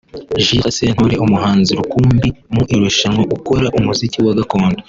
Jules Sentore umuhanzi rukumbi mu irushanwa ukora umuziki wa gakondo